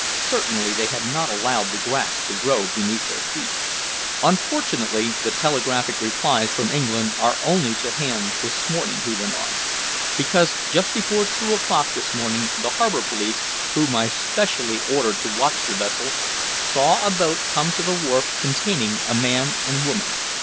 Certainly they had not allowed the grass to grow beneath their feet. "Unfortunately the telegraphic replies from England are only to hand this morning," he went on, "because just before two o'clock this morning the harbor police, whom I specially ordered to watch the vessel, saw a boat come to the wharf containing a man and woman.